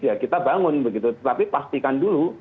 ya kita bangun begitu tetapi pastikan dulu